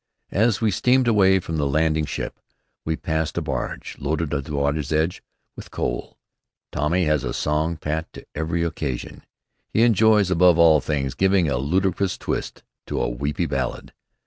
As we steamed away from the landing slip, we passed a barge, loaded to the water's edge with coal. Tommy has a song pat to every occasion. He enjoys, above all things, giving a ludicrous twist to a "weepy" ballad.